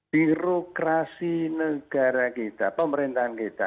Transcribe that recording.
birokrasi negara kita pemerintahan kita